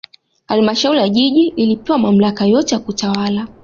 halmashauri ya jiji ilipewa mamlaka yote ya kutawala